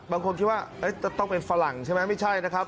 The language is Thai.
บางคนคิดว่าจะต้องเป็นฝรั่งใช่ไหมไม่ใช่นะครับ